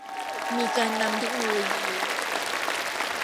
มีการนำเทคโนโลยี